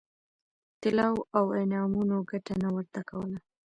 طلاوو او انعامونو ګټه نه ورته کوله.